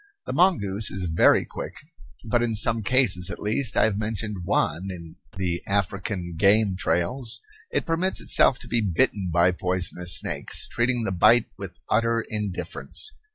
The mongoose is very quick, but in some cases at least I have mentioned one in the "African Game Trails" it permits itself to be bitten by poisonous snakes, treating the bite with utter indifference.